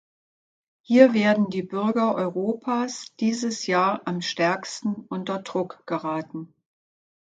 Hier werden die Bürger Europas dieses Jahr am stärksten unter Druck geraten.